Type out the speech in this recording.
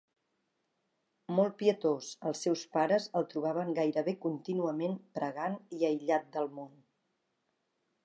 Molt pietós, els seus pares el trobaven gairebé contínuament pregant i aïllat del món.